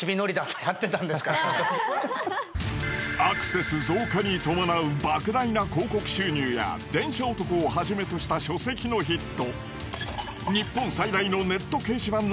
アクセス増加に伴う莫大な広告収入や『電車男』をはじめとした書籍のヒット。